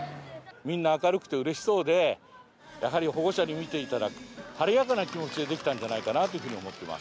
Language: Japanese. みんな明るくてうれしそうで、やはり保護者に見ていただく、晴れやかな気持ちでできたんじゃないかなというふうに思ってます。